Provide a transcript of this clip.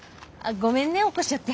ごめんね起こしちゃって。